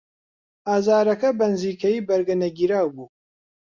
ئازارەکە بەنزیکەیی بەرگەنەگیراو بوو.